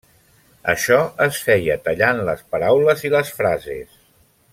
Això es feia tallant les paraules i les frases.